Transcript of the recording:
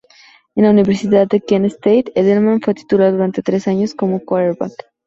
En la universidad de Kent State, Edelman fue titular durante tres años como quarterback.